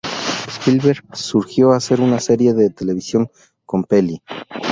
Spielberg sugirió hacer una serie de televisión con Peli.